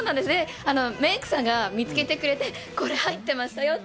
メイクさんが見つけてくれて、これ入ってましたよって。